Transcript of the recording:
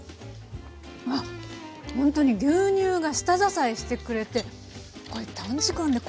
あっほんとに牛乳が下支えしてくれて短時間で